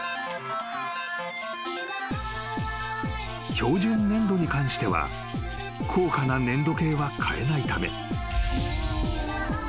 ［標準粘度に関しては高価な粘度計は買えないため］